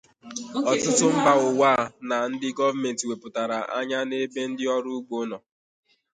Otụtụ mba ụwa na ndi gọọmentị wepụtara anya na ebe ndi ọrụ ugbo nọ.